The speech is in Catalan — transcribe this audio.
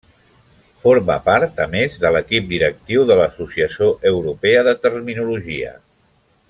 Forma part, a més, de l'equip directiu de l'Associació Europea de Terminologia.